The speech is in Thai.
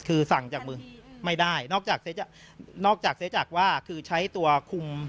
คือสั่งจากมือไม่ได้นอกจากนอกจากเสียจากว่าคือใช้ตัวคุม